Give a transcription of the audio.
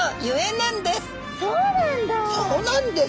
そうなんです。